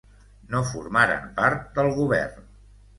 No formaren part del govern.